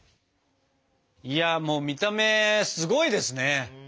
いやもう見た目すごいですね！